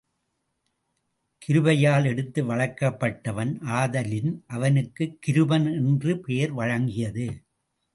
கிருபையால் எடுத்து வளர்க்கப்பட்டவன் ஆதலின் அவனுக்குக் கிருபன் என்று பெயர் வழங்கியது.